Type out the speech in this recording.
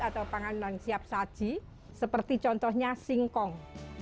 atau pangan non siap saji seperti contohnya singkong